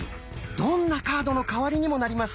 どんなカードの代わりにもなります。